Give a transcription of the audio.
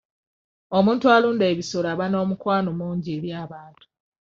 Omuntu alunda ebisolo aba n'omukwano mungi eri abantu.